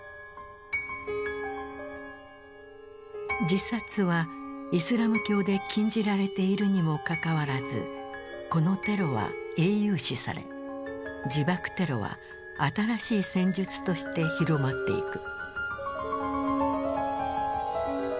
自殺はイスラム教で禁じられているにもかかわらずこのテロは英雄視され「自爆テロ」は新しい戦術として広まっていく。